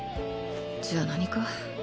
じゃあ何か？